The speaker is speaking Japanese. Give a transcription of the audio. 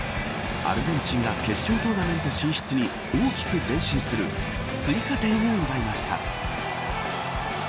アルゼンチンが決勝トーナメント進出に大きく前進する追加点を奪いました。